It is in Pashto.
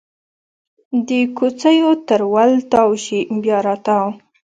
د کوڅېو تر ول تاو شي بیا راتاو